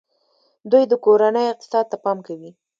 دوی د کورنۍ اقتصاد ته پام کوي.